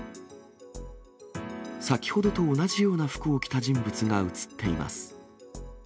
先ほどと同じような服を着た人物が写っています。